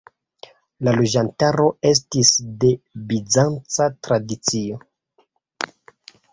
La loĝantaro estis de bizanca tradicio.